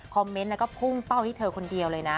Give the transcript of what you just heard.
คอมเมนต์แล้วก็พุ่งเป้าที่เธอคนเดียวเลยนะ